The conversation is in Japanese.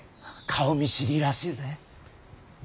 顔見知りらしいぜ。